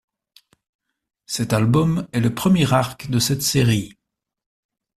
Cet album est le premier arc de cette série.